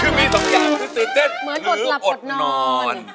คือมีสองอย่างคือตื่นเต้นหรืออดนอน